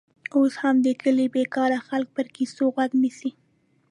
اوس هم د کلي بېکاره خلک پر کیسو غوږ نیسي.